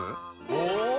お！